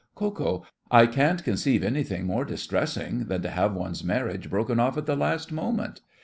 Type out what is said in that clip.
KO. I can't conceive anything more distressing than to have one's marriage broken off at the last moment.